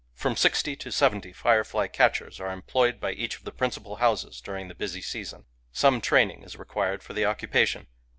From sixty to seventy firefly catchers are employed by each of the principal houses during the busy season. Some training is required for the occupation.